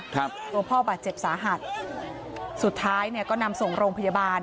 ตัวพ่อบาดเจ็บสาหัสสุดท้ายเนี่ยก็นำส่งโรงพยาบาล